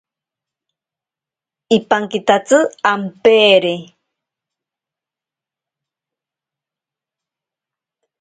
Ipankitatsi ampeere.